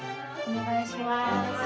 お願いします。